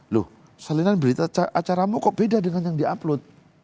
loh salinan berita acaramu kok beda dengan yang di upload